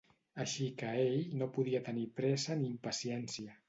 Així que ell no podia tenir pressa ni impaciència.